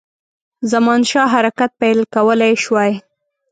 زمانشاه حرکت پیل کولای شوای.